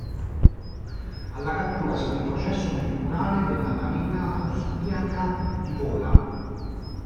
Alla cattura seguì il processo nel tribunale della Marina austriaca di Pola.